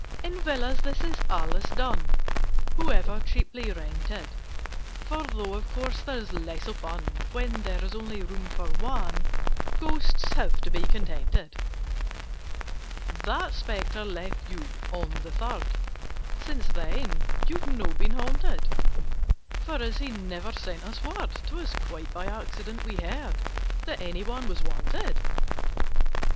"In Villas this is always done— However cheaply rented: For, though of course there's less of fun When there is only room for one, Ghosts have to be contented. "That Spectre left you on the Third— Since then you've not been haunted: For, as he never sent us word, 'Twas quite by accident we heard That any one was wanted.